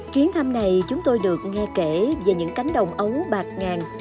chuyến thăm này chúng tôi được nghe kể về những cánh đồng ấu bạc ngàn